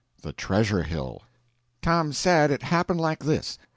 THE TREASURE HILL Tom said it happened like this.